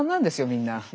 みんな。